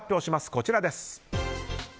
こちらです。